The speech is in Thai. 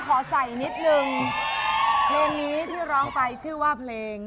ขอใส่นิดนึงเพลงนี้ที่ร้องไปชื่อว่าเพลง